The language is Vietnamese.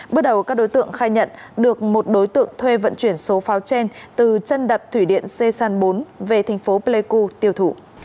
bước đầu các đối tượng khai nhận được một đối tượng thuê vận chuyển số pháo trên từ chân đập thủy điện sê san bốn về thành phố pleiku tiêu thụ